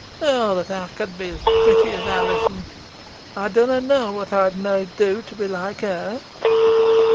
Oh that ey could be os protty os Alizon! Ey dunna knoa whot ey'd nah do to be like her!"